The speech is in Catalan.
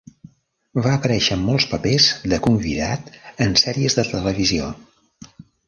Va aparèixer en molts papers de convidat en sèries de televisió.